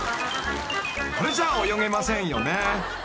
［これじゃ泳げませんよね］